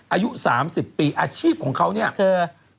อายุ๓๐ปีอาชีพของเขาเนี่ยคือ